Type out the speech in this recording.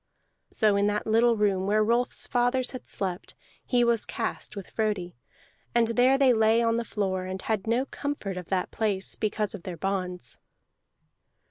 So in that little room where Rolf's fathers had slept he was cast with Frodi, and there they lay on the floor, and had no comfort of that place because of their bonds.